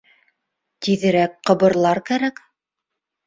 Тиҙерәк ҡыбырлар кәрәк.